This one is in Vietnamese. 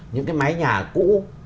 những cái mái nhà cũ